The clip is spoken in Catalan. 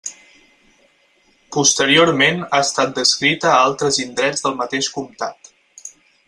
Posteriorment ha estat descrita a altres indrets del mateix comtat.